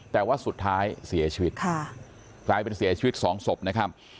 แต่ว่าสุดท้ายเสียชีวิตค่ะกลายเป็นเสียชีวิตสองศพนะครับ